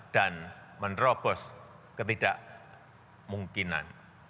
dan menerobos ketidakmungkinan